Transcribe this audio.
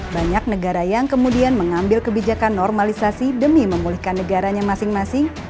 banyak negara yang kemudian mengambil kebijakan normalisasi demi memulihkan negaranya masing masing